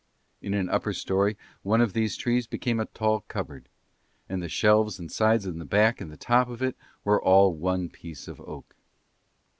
In an upper storey one of these trees became a tall cupboard; and the shelves and the sides and the back and the top of it were all one piece of oak.